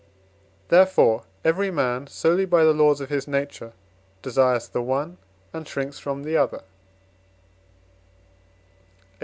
Therefore, every man, solely by the laws of his nature, desires the one, and shrinks from the other, &c.